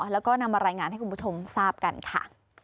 แล้วก็นำมารายงานให้คุณผู้ชมทราบกันค่ะ